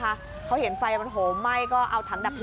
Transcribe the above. บางคนเห็นไฟมันหมา้